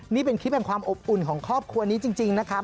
นี่เป็นคลิปแห่งความอบอุ่นของครอบครัวนี้จริงนะครับ